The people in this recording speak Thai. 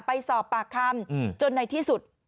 ไปสอบปากคำจนในที่สุด